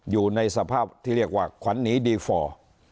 อยู่ในสภาพที่เรียกว่าขวัญหนีดีฟอร์